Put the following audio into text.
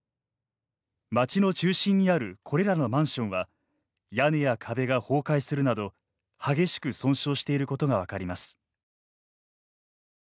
街の中心にあるこれらのマンションは屋根が壁や崩壊するなど激しく損傷していることが分かります。